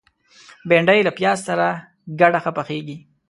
بېنډۍ له پیاز سره ګډه ښه پخیږي